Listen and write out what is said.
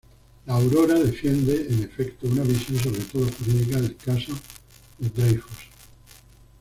La Aurora defiende, en efecto, una visión sobre todo jurídica del caso de Dreyfus.